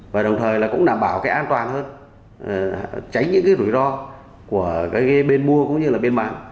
và đồng thời cũng đảm bảo an toàn hơn tránh những rủi ro của bên mua cũng như bên bán